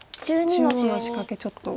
中央の仕掛けちょっと。